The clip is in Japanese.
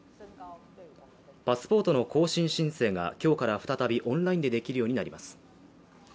パスポートの更新申請が今日から再びオンラインでできるようになります。